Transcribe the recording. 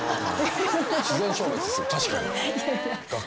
確かに。